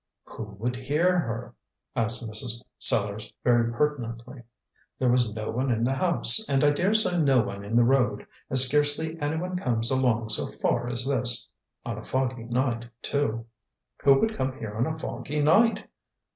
"Who would hear her?" asked Mrs. Sellars very pertinently. "There was no one in the house, and I daresay no one in the road, as scarcely anyone comes along so far as this; on a foggy night, too. Who would come here on a foggy night?